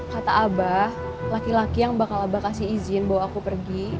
kata abah laki laki yang bakal abah kasih izin bawa aku pergi